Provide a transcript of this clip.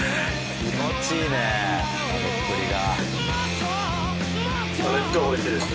気持ちいいね食べっぷりが。